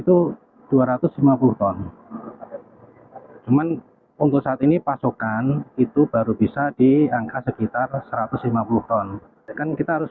itu dua ratus lima puluh ton cuman untuk saat ini pasokan itu baru bisa di angka sekitar satu ratus lima puluh ton kita harus